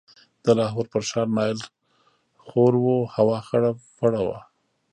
د لاهور پر ښار نایل خور و، هوا خړه پړه وه.